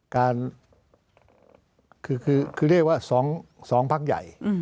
การคือเรียกว่า๒พักใหญ่